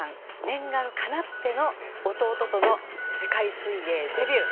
念願かなっての弟との世界水泳デビュー。